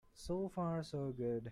So far so good.